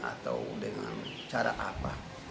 atau dengan cara apa